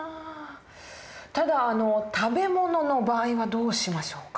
ただ食べ物の場合はどうしましょうか？